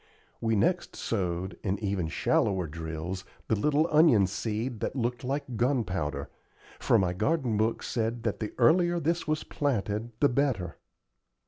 We next sowed, in even shallower drills, the little onion seed that looked like gunpowder, for my garden book said that the earlier this was planted the better.